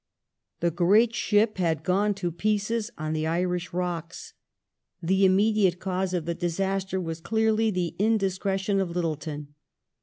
The great ship had gone to pieces on the Irish rocks. The Fall of immediate cause of the disaster was clearly the indiscretion of^^^^.^ Littleton.